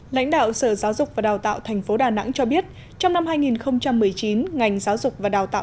lãnh đạo sở giáo dục và đào tạo tp đà nẵng cho biết trong năm hai nghìn một mươi chín ngành giáo dục và đào tạo